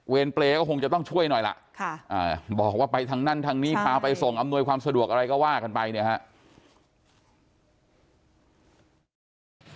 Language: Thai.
เปรย์ก็คงจะต้องช่วยหน่อยล่ะบอกว่าไปทางนั้นทางนี้พาไปส่งอำนวยความสะดวกอะไรก็ว่ากันไปเนี่ยครับ